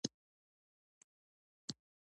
دې قابلې تور پتلون هم اغوستی و.